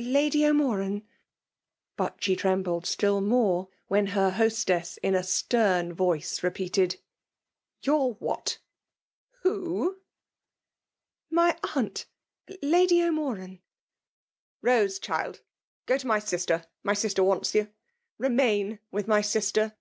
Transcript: Lady O'Moran;*" but she trembled still more when her hostess in a stem voice repeated —" Your what ?— Who ?*'" My aunt. Lady O'Moran." " Rose, child !— go to my sister ; my sister wants you. Refnain with my sister!'